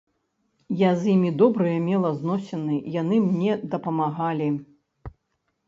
Я з імі добрыя мела зносіны, яны мне дапамагалі.